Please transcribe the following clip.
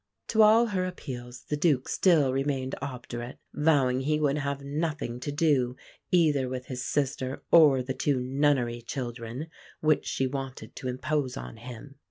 To all her appeals the Duke still remained obdurate, vowing he would have nothing to do either with his sister or the two "nunnery children" which she wanted to impose on him.